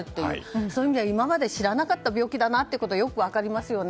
そういう意味では今まで知らなかった病気だなというのはよく分かりますよね。